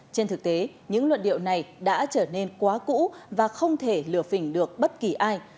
trên thực tế những luận điệu này đã trở nên quá cũ và không thể lừa phỉnh được bất kỳ ai